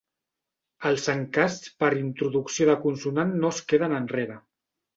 Els encasts per introducció de consonant no es queden enrere.